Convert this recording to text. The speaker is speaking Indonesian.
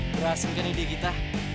berhasil kan ide kita